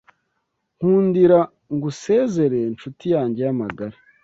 Nkundira ngusezere nshuti yanjye yamagara